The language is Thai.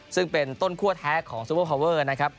ซึ่งเป็นต้นคั่วแท้ของซูเปอร์พาวเวอร์นะครับ